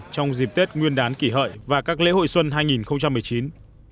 trong dịp tết nguyên đán kỷ hợi và các lễ hội xuân hai nghìn một mươi chín